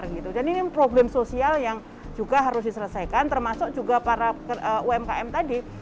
jadi mungkin ada juga yang mungkin problem sosial yang juga harus diselesaikan termasuk juga para umkm tadi